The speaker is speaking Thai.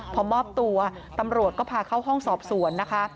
พอมอบตัวตำรวจก็พาเข้าห้องสอบสวนนะคะ